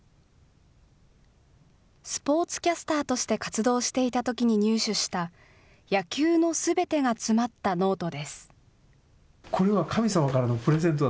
スポーツキャスターとして活動していたときに入手した、野球のすべてが詰まったノートです。